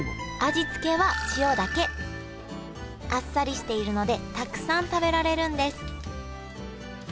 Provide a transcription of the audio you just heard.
味付けはあっさりしているのでたくさん食べられるんです